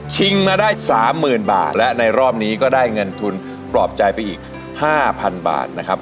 ชิงมาได้สามหมื่นบาทและในรอบนี้ก็ได้เงินทุนปลอบใจไปอีกห้าพันบาทนะครับ